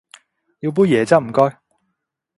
要杯椰汁唔該